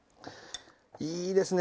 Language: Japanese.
いいですね